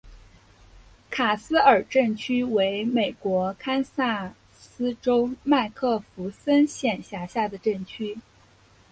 卡斯尔镇区为美国堪萨斯州麦克弗森县辖下的镇区。